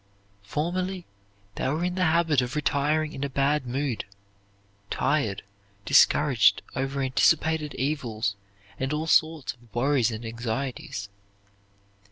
Formerly they were in the habit of retiring in a bad mood; tired, discouraged over anticipated evils and all sorts of worries and anxieties.